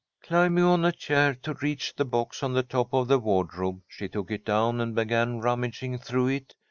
Climbing on a chair to reach the box on the top of the wardrobe, she took it down and began rummaging through it.